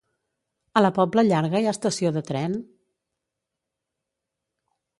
A la Pobla Llarga hi ha estació de tren?